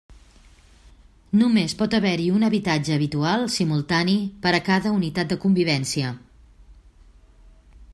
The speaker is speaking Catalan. Només pot haver-hi un habitatge habitual simultani per a cada unitat de convivència.